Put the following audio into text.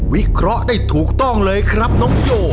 วิเคราะห์ได้ถูกต้องเลยครับน้องโย